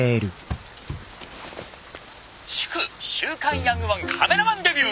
「祝週刊ヤングワンカメラマンデビュー！